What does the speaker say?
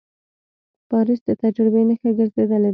پاریس د تجربې نښه ګرځېدلې ده.